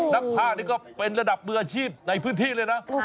นักภาคนี้ก็เป็นระดับมืออาชีพในพื้นที่เลยนะ